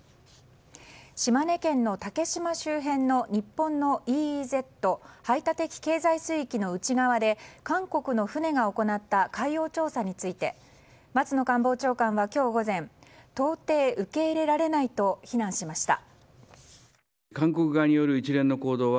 島根県の竹島周辺の日本のＥＥＺ・排他的経済水域の内側で韓国の船が行った海洋調査について松野官房長官は今日午前到底受け入れられないと非難しました。